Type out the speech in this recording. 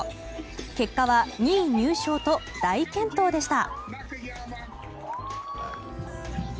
結果は２位入賞と大健闘でした。